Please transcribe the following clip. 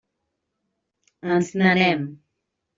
Ens n'anem.